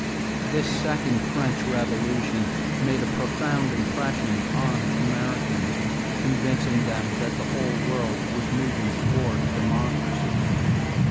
This second French Revolution made a profound impression on Americans, convincing them that the whole world was moving toward democracy.